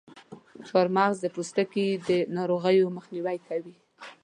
چارمغز د پوستکي د ناروغیو مخنیوی کوي.